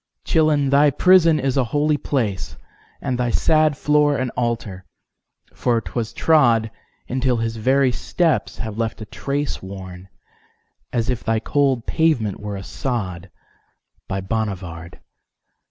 Chillon! thy prison is a holy placeAnd thy sad floor an altar, for 'twas trod, Until his very steps have left a traceWorn as if thy cold pavement were a sod, By Bonnivard!